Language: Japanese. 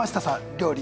料理